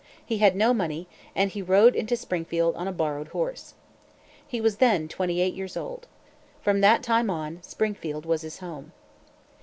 He had no money, and he rode into Springfield on a borrowed horse. He was then twenty eight years old. From that time on, Springfield was his home.